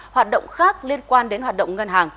hoạt động khác liên quan đến hoạt động ngân hàng